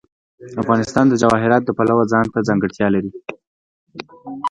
افغانستان د جواهرات د پلوه ځانته ځانګړتیا لري.